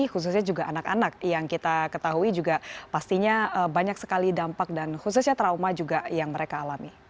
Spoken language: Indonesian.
khususnya juga anak anak yang kita ketahui juga pastinya banyak sekali dampak dan khususnya trauma juga yang mereka alami